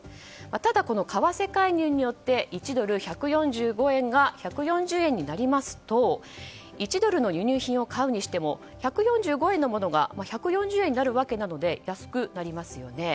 ただ、為替介入によって１ドル＝１４５円が１４０円になりますと１ドルの輸入品を買うにしても１４５円のものが１４０円になるので安くなりますよね。